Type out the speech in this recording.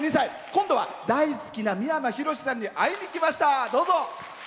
今度は大好きな三山ひろしさんに会いに来ました。